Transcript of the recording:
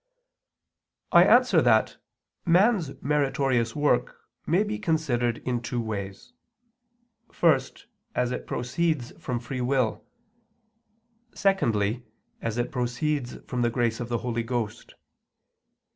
I answer that, Man's meritorious work may be considered in two ways: first, as it proceeds from free will; secondly, as it proceeds from the grace of the Holy Ghost.